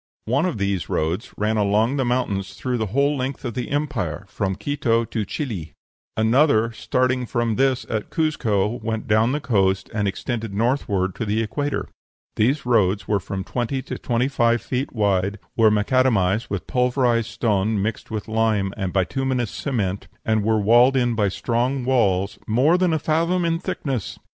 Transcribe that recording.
One of these roads ran along the mountains through the whole length of the empire, from Quito to Chili; another, starting from this at Cuzco, went down to the coast, and extended northward to the equator. These roads were from twenty to twenty five feet wide, were macadamized with pulverized stone mixed with lime and bituminous cement, and were walled in by strong walls "more than a fathom in thickness."